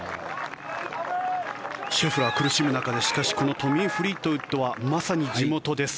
シェフラー苦しむ中でしかし、このフリートウッドはまさに地元です。